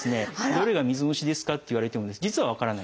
どれが水虫ですかって言われても実は分からないんです。